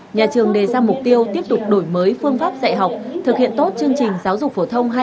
nhà trường đề ra mục tiêu tiếp tục đổi mới phương pháp dạy học thực hiện tốt chương trình giáo dục phổ thông hai nghìn hai mươi